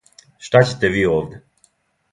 Шта ћете ви овде?